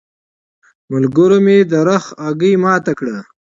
ملګرو مې د رخ هګۍ ماته کړه.